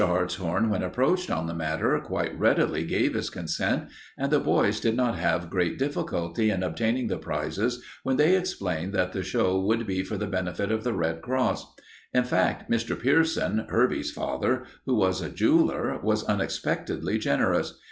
Hartshorn, when approached on the matter, quite readily gave his consent, and the boys did not have great difficulty in obtaining the prizes when they explained that the show would be for the benefit of the Red Cross. In fact, Mr. Pierson, Herbie's father, who was a jeweler, was unexpectedly generous.